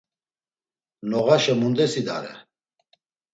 Noğaşe mundes idare?